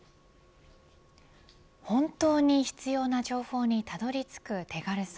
本当に必要な情報にたどり着く手軽さ